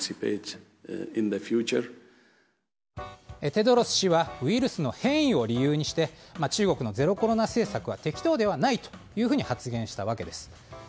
テドロス氏はウイルスの変異を理由にして中国のゼロコロナ政策は適当ではないと発言したわけです。